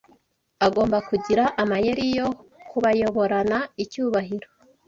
Agomba kugira amayeri yo kubayoborana icyubahiro